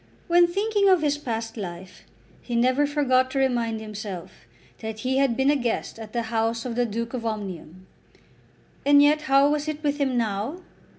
When thinking of his past life he never forgot to remind himself that he had been a guest at the house of the Duke of Omnium! And yet how was it with him now?